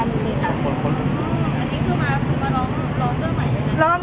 อันนี้คือมางานตั้งใจต้องหลอง